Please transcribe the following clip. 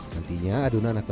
nantinya adonan akan terbuka